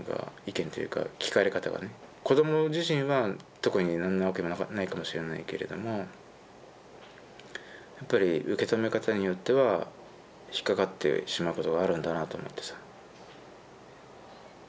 子ども自身は特に何の悪意もないかもしれないけれどもやっぱり受け止め方によっては引っ掛かってしまうことがあるんだなと思ってさ。